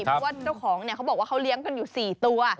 เพราะว่าเจ้าของเขาบอกว่าเขาเลี้ยงกันอยู่๔ตัว